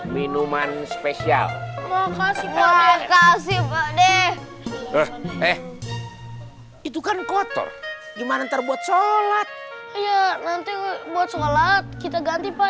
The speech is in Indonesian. maaf pak kita nggak sengaja